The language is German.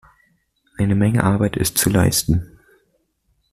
Eine Menge Arbeit ist zu leisten.